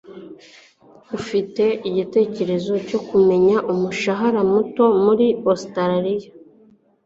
ufite igitekerezo cyo kumenya umushahara muto muri ositaraliya